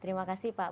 terima kasih pak